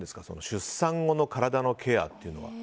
出産後の体のケアというのは。